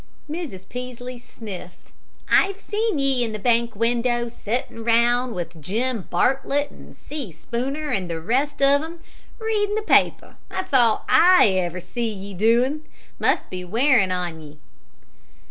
Mrs. Peaslee sniffed. "I've seen ye in the bank window, settin' round with Jim Bartlett and Si Spooner and the rest of 'em. Readin' the paper that's all I ever see ye doin'. Must be wearin' on ye."